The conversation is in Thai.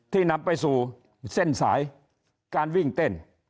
นำไปสู่เส้นสายการวิ่งเต้น